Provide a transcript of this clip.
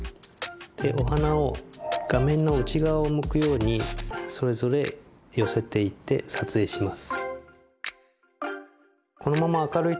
お花を画面の内側を向くようにそれぞれ寄せていって撮影します。